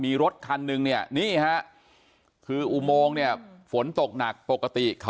มีรถคันนึงนี้ครับอุโมงฝนตกหนัก